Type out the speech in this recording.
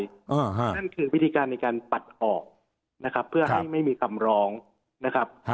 นั่นคือวิธีการในการปัดออกนะครับเพื่อให้ไม่มีคำร้องนะครับ